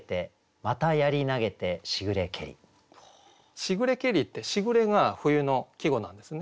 「しぐれけり」って「時雨」が冬の季語なんですね。